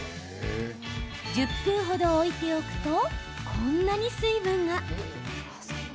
１０分程、置いておくとこんなに水分が。